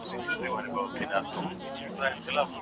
ساینسي څېړنه د ټکنالوژۍ د ودې لامل کیږي.